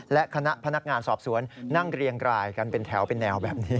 และคณะพนักงานสอบสวนนั่งเรียงรายกันเป็นแถวเป็นแนวแบบนี้